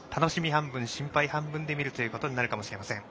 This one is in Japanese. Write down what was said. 半分、心配半分で見るということになるかもしれません。